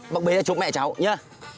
bác bê ra chụp mẹ cháu nhé